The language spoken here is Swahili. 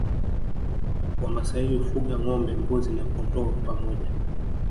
Wamasai hufuga ngombe mbuzi na kondoo pamoja